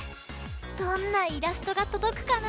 どんなイラストがとどくかな！